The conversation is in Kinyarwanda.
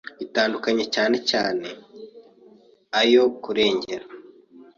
atandukanye cyane cyane ayo kurengera